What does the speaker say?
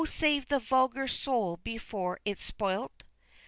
O save the vulgar soul before it's spoil'd!